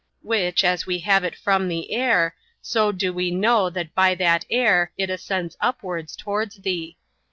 which, as we have it from the air, so do we know that by that air it ascends upwards [towards thee].